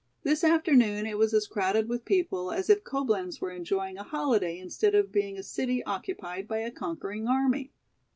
This afternoon it was as crowded with people as if Coblenz were enjoying a holiday instead of being a city occupied by a conquering army.